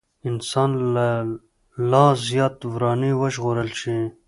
انسان له لا زيات وراني وژغورل شي.